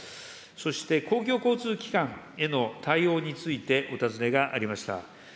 そして公共交通機関への対応についてお尋ねがありました。